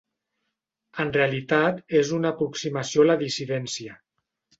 En realitat, és una aproximació a la dissidència.